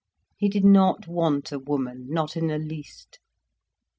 He did not want a woman—not in the least.